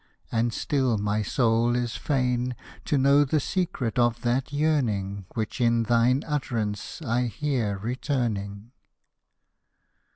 And still my soul is fain To know the secret of that yearning Which in thine utterance I hear returning.